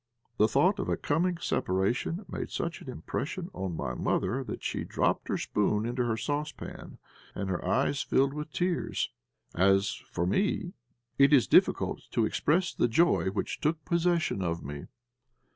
The thought of a coming separation made such an impression on my mother that she dropped her spoon into her saucepan, and her eyes filled with tears. As for me, it is difficult to express the joy which took possession of me.